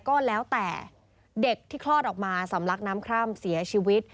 ก็แล้วแต่เด็กที่คลอดออกมาสำลักน้ำคร่ำเสียชีวิต